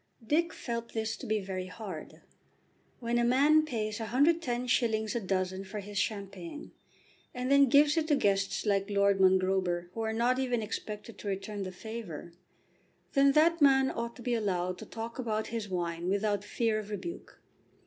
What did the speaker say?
Dick felt this to be very hard. When a man pays 110s. a dozen for his champagne, and then gives it to guests like Lord Mongrober who are not even expected to return the favour, then that man ought to be allowed to talk about his wine without fear of rebuke.